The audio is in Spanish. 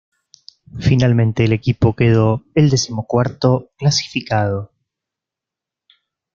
Finalmente, el equipo quedó el decimocuarto clasificado.